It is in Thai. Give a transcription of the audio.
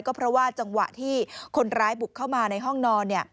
ก็เพราะว่าจังหวะที่คนร้ายบุกเข้ามาในห้องนอน